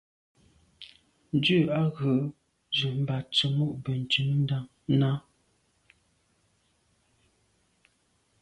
Ndù à ghù ze mba tsemo’ benntùn nà.